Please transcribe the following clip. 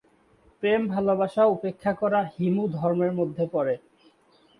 প্রেম ভালবাসা উপেক্ষা করা হিমুর ধর্মের মধ্যে পড়ে।